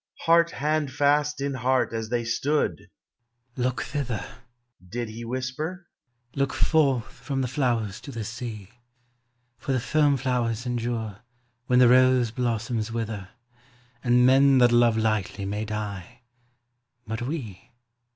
Heart handfast in heart as they stood, " Look thither," Did he whisper? " Look forth from the tiowers to the sea; For the foam flowers endure when the rose blos soms wither, And men that love lightlv mav die — but we?"